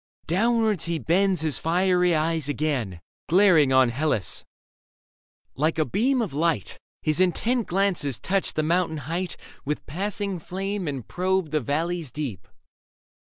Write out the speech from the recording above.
Downwards he bends his fiery eyes again. Glaring on Hellas. Like a beam of light. His intent glances touch the mountain height With passing flame and probe the valleys deep.